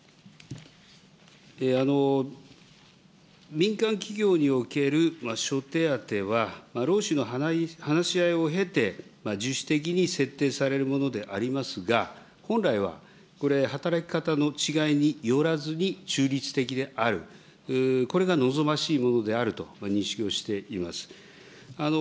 民間企業における諸手当は、労使の話し合いを経て、的に設定されるものでありますが、本来はこれ、働き方の違いによらずに中立的である、これが望ましいものであると認識をしています。